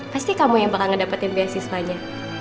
pasti kamu yang bakal ngedapetin beasiswanya